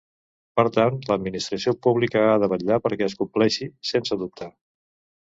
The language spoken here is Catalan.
Per tant, l’administració pública ha de vetllar perquè es compleixi, sense dubte.